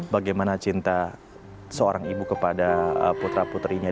bagaimana cinta seorang ibu kepada putra putrinya